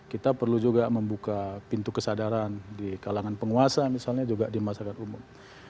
kita perlu juga membuka pintu kesadaran di kalangan penguasa misalnya juga di masyarakat umum